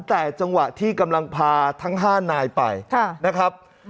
แต่จังหวะที่กำลังพาทั้ง๕นายไปนะครับ